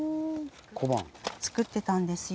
作ってたんですよ。